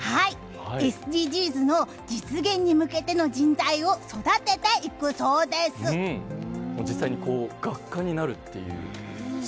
ＳＤＧｓの実現に向けての人材を実際に学科になるという。